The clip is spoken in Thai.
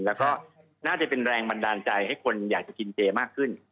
แล้วก็น่าจะเป็นแรงบันดาลใจให้คนอยากจะกินเจมากขึ้น